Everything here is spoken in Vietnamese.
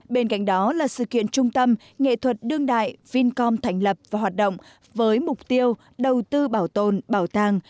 bên cạnh đó là sự kiện trung tâm nghệ thuật đương đại vincom thành lập và hoạt động với mục tiêu đầu tư bảo tồn bảo tàng